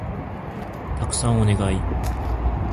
たくさんお願い